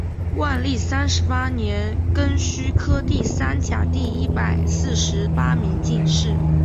万历三十八年庚戌科第三甲第一百四十八名进士。